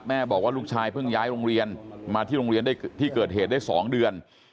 บอกว่าลูกชายเพิ่งย้ายโรงเรียนมาที่โรงเรียนที่เกิดเหตุได้๒เดือน